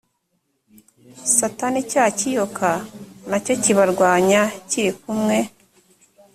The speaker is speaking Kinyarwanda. satani cya kiyoka na cyo kibarwanya kiri kumwe